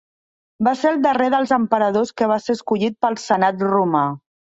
Va ser el darrer dels emperadors que va ser escollit pel senat romà.